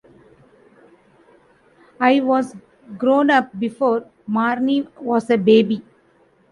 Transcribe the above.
I was grown-up before Marnie was a baby.